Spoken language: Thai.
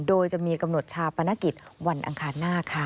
โดยจะมีกำหนดชาปนกิจวันอังคารหน้าค่ะ